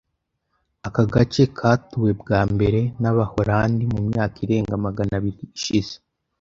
Aka gace katuwe bwa mbere n’Abaholandi mu myaka irenga magana abiri ishize.